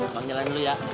bang nyalain dulu ya